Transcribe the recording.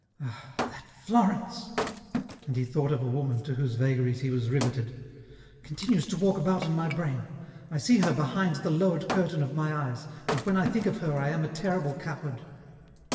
Ah, that Florence" — and he thought of a woman to whose vagaries he was riveted —*' continues to walk about in my brain. I see her behind the lowered curtain of my eyes, and when I think of her I am a terrible coward."